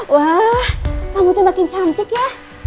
wah kamu tuh makin cantik ya